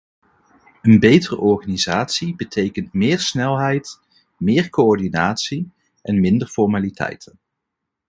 Een betere organisatie betekent meer snelheid, meer coördinatie en minder formaliteiten.